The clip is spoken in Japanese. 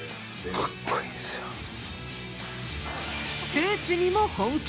スーツにも本気！